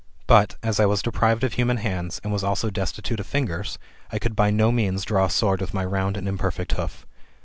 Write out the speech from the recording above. But, as I was deprived of human hands, and was also destitute of fingers, I could by no means draw a sword with my round and imperfect hoof.